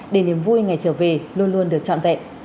để niềm vui ngày trở về luôn luôn được trọn vẹn